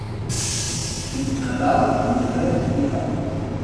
Fins Nadal, ni fred ni fam.